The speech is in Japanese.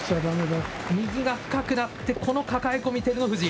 深くなって、この抱え込み、照ノ富士。